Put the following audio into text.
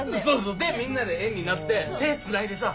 でみんなで円になって手つないでさ。